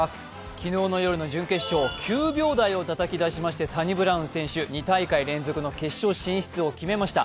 昨日の夜の準決勝、９秒台をたたき出しましてサニブラウン選手、２大会連続の決勝進出を決めました。